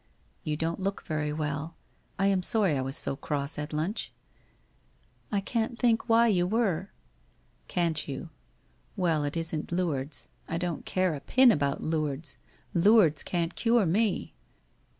' You don't look very well ? I am sorry I was so cross at lunch.' ' I can't think why you were ?'* Can't you ? Well, it isn't Lourdes — I don't care a pin about Lourdes — Lourdes can't cure me